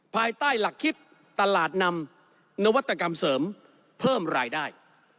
ภายใต้หลักคิดตลาดนำนวัตกรรมเสริมเพิ่มรายได้